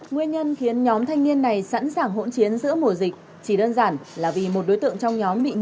nguyên nhân khiến nhóm thanh niên này sẵn sàng hỗn chiến giữa mùa dịch chỉ đơn giản là vì một đối tượng trong nhóm bị ngộ độc